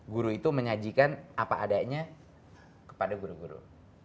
guru itu menyajikan apa adanya kepada guru guru